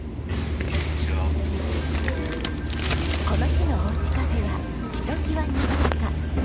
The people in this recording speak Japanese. この日のおうちカフェはひときわにぎやか。